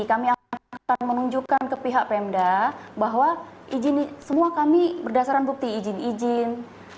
kami akan menunjukkan ke pihak pemda bahwa izin ini semua kami berdasarkan bukti izin izin